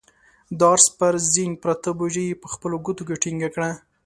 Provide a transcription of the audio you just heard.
د آس پر زين پرته بوجۍ يې په خپلو ګوتو کې ټينګه کړه.